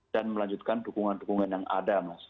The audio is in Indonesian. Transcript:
dan melanjutkan dukungan dukungan yang ada mas